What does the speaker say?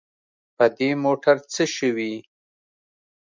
په دې موټر څه شوي.